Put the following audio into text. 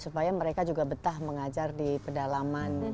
supaya mereka juga betah mengajar di pedalaman